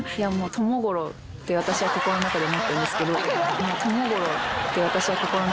ともゴロウって私は心の中で思ってるんですけど。